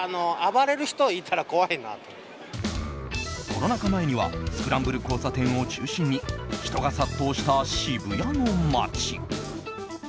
コロナ禍前にはスクランブル交差点を中心に人が殺到した渋谷の街。